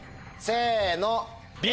せの。